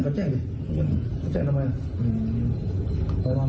เขาแจ้งเลยเขาแจ้งทำไม